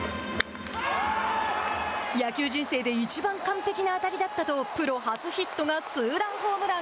「野球人生でいちばん完璧な当たりだった」とプロ初ヒットがツーランホームラン。